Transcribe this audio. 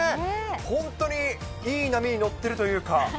本当にいい波乗っているというか。